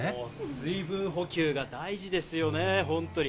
水分補給が大事ですよね、本当に。